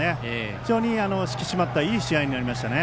非常に引き締まったいい試合になりましたね。